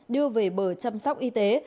đưa về bờ chăm sóc y tế